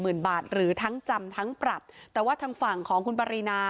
หมื่นบาทหรือทั้งจำทั้งปรับแต่ว่าทางฝั่งของคุณปรินา